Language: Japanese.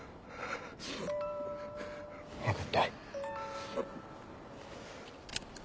分かった。